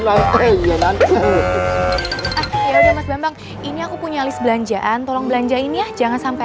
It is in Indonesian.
laut ya udah mas bambang ini aku punya list belanjaan tolong belanjain ya jangan sampai